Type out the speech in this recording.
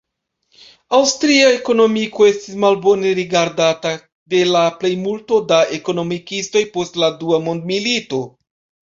Aŭstria ekonomiko estis malbone rigardata de la plejmulto da ekonomikistoj post la Dua mondmilito.